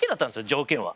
条件は。